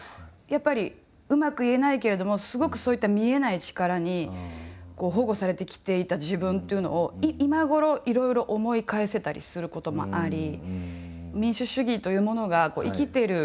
やっぱりうまく言えないけれどもすごくそういった見えない力に保護されてきていた自分というのを今頃いろいろ思い返せたりすることもあり。